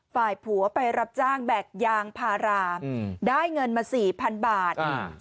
ฝ่ายผัวไปรับจ้างแบกยางพาราได้เงินมา๔๐๐๐บาท